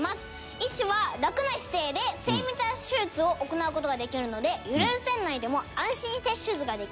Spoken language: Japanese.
「医師は楽な姿勢で精密な手術を行う事ができるので揺れる船内でも安心して手術ができます」